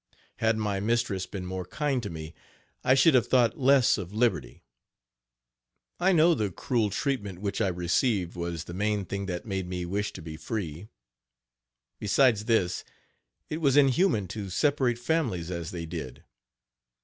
Had my mistress been more kind to me, I should have thought less of liberty. I know the cruel treatment which I received was the main thing that made me wish to be free. Besides this, it was inhuman to separate families as they did.